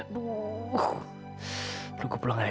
gue pulang aja